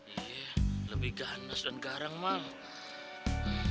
iya lebih ganas dan garang mahal